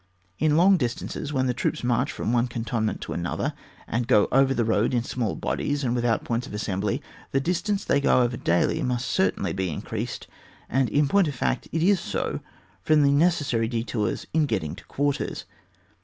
In long distances, when troops march from one cantonment into another, and go over the road in small bodies, and without points of assembly, the distance they go over daily may certainly be in creased, and in point of fact it is so, from the necessary detours in getting to quar ters.